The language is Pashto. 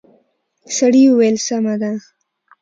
سړي وويل سمه ده.